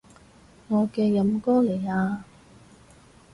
我嘅飲歌嚟啊